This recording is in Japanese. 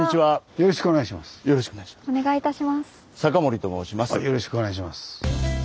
よろしくお願いします。